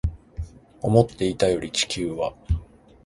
思っていたより地球は